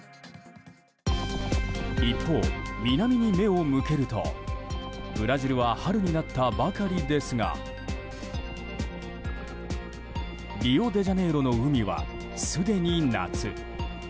一方、南に目を向けるとブラジルは春になったばかりですがリオデジャネイロの海はすでに夏。